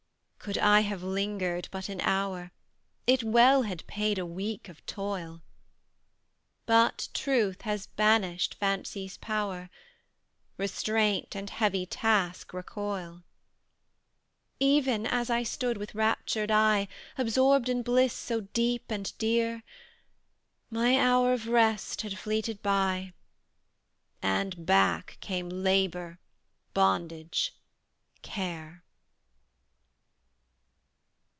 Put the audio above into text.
Could I have lingered but an hour, It well had paid a week of toil; But Truth has banished Fancy's power: Restraint and heavy task recoil. Even as I stood with raptured eye, Absorbed in bliss so deep and dear, My hour of rest had fleeted by, And back came labour, bondage, care.